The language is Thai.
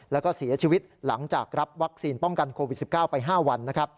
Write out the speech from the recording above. แล้วก็เสียชีวิตหลังจากรับวัคซีนป้องกันโควิด๑๙ไป๕วัน